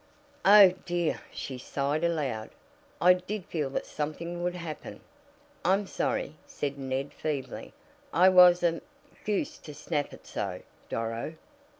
"Oh, dear," she sighed aloud, "I did feel that something would happen!" "I'm sorry," said Ned feebly. "I was a goose to snap it so, Doro."